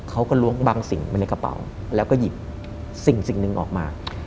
เขาก็ล้วงบางสิ่งไปในกระเป๋าแล้วก็หยิบสิ่งหนึ่งออกมา